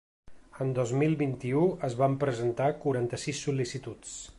En dos mil vint-i-u es van presentar quaranta-sis sol·licituds.